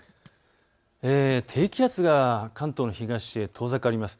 低気圧が関東の東へ遠ざかります。